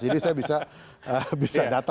jadi saya bisa datang ke indonesia